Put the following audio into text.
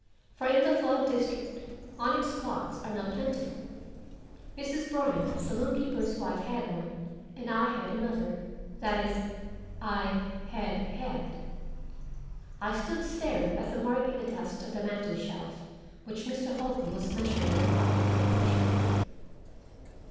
For in the flood district onyx clocks are not plentiful. Mrs. Bryan, the saloon keeper's wife, had one, and I had another. That is, I had had. I stood staring at the mark in the dust of the mantel shelf, which Mr. Holcombe was measuring with a pocket tape measure.